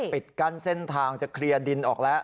ปิดกั้นเส้นทางจะเคลียร์ดินออกแล้ว